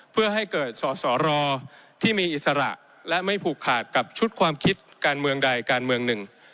เพื่อให้เกิดสอสอรอที่มีอิสระและไม่ผูกขาดกับชุดความคิดการเมืองใดการเมืองหนึ่ง